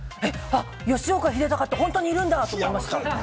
吉岡秀隆って本当にいるんだ！と思いました。